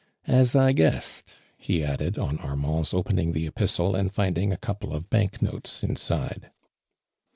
A* I guessed !'" he adae(^ on Armand's open ing the epistle and Ending a couple of bank notes inside.